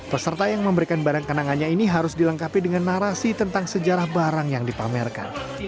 peserta yang memberikan barang kenangannya ini harus dilengkapi dengan narasi tentang sejarah barang yang dipamerkan